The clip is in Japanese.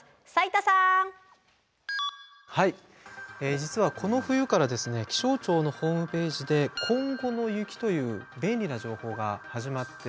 実はこの冬からですね気象庁のホームページで「今後の雪」という便利な情報が始まっています。